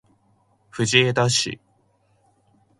藤枝市